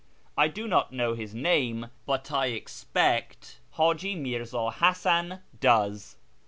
I do not know his name, but I expect Haji Mirza Hasan does."